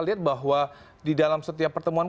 lihat bahwa di dalam setiap pertemuan